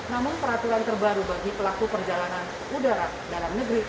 namun peraturan terbaru bagi pelaku perjalanan udara dalam negeri